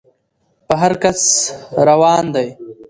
په هر کچ روان دى.